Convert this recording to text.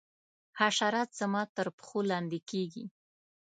حشرات زما تر پښو لاندي کیږي.